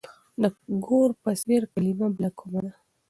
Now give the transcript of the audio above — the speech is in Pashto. د ګور په څېر کلمه بله کومه ده؟